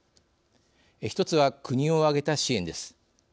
一つは、国を挙げた支援です。